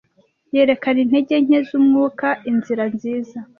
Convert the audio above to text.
Yerekana intege nke z'umwuka inzira nziza,